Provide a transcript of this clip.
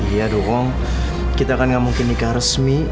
iya dong kita kan gak mungkin nikah resmi